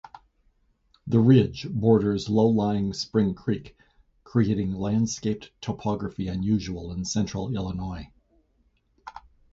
The ridge borders low-lying Spring Creek, creating landscaped topography unusual in central Illinois.